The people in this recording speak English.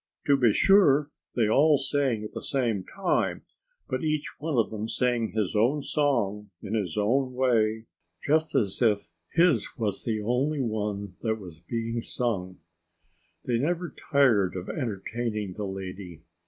To be sure, they sang all at the same time; but each one of them sang his own song in his own way, just as if his was the only one that was being sung. They never tired of entertaining the lady.